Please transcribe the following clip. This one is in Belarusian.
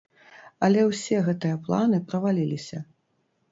Але ўсе гэтыя планы праваліліся.